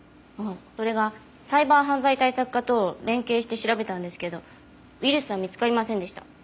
それがサイバー犯罪対策課と連携して調べたんですけどウイルスは見つかりませんでした。